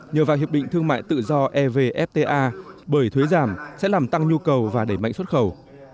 nhờ vào hiệp định thương mại tự do evfta bởi thuế giảm sẽ làm tăng nhu cầu và đẩy mạnh xuất khẩu